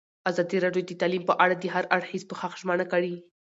ازادي راډیو د تعلیم په اړه د هر اړخیز پوښښ ژمنه کړې.